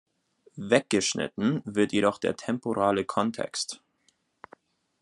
Weggeschnitten wird jedoch der temporale Kontext.